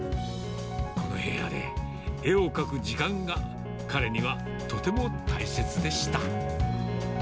この部屋で、絵を描く時間が彼にはとても大切でした。